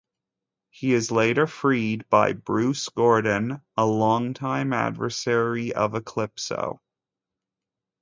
He is later freed by Bruce Gordon, a longtime adversary of Eclipso.